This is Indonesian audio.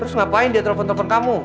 terus ngapain dia telepon telepon kamu